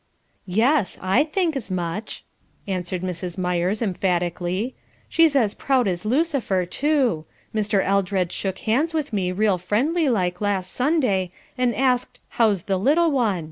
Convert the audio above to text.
"Yes, I think's much!" answered Mrs. Myers, emphatically. "She's as proud as Lucifer, too. Mr. Eldred shook hands with me real friendly like last Sunday, and asked 'How is the little one?'